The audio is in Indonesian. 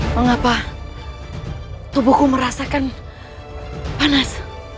mengapa tubuhku merasakan panas